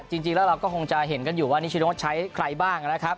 จริงแล้วเราก็คงจะเห็นกันอยู่ว่านิชโน้ใช้ใครบ้างนะครับ